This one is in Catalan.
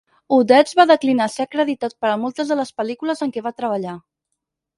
Odets va declinar ser acreditat per a moltes de les pel·lícules en què va treballar.